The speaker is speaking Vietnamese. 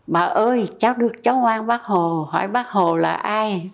bà ơi cháu được cháu hoan bác hồ hỏi bác hồ là ai